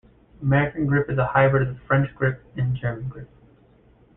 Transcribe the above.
American grip is a hybrid of the French grip and German grip.